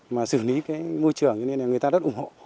mà xử lý cái môi trường cho nên là người ta rất ủng hộ